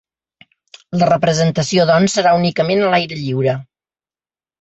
La representació, doncs, serà únicament a l’aire lliure.